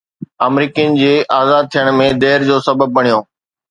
آمريڪين جي آزاد ٿيڻ ۾ دير جو سبب بڻيو